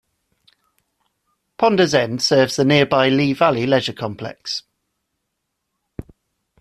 Ponders End serves the nearby Lee Valley Leisure Complex.